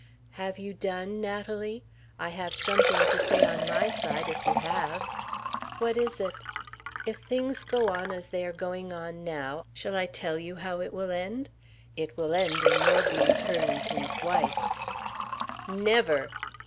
"Have you done, Natalie? I have something to say on my side if you have." "What is it?" "If things go on as they are going on now, shall I tell you how it will end? It will end in your being Turlington's wife." "Never!"